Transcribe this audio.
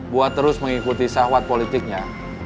buat terus mengikuti sahwat politiknya